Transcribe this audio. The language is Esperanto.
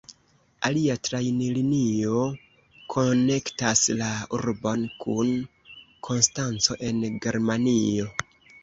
Alia trajnlinio konektas la urbon kun Konstanco en Germanio.